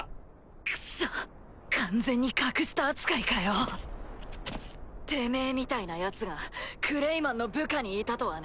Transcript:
クソ完全に格下扱いかよてめぇみたいなヤツがクレイマンの部下にいたとはね。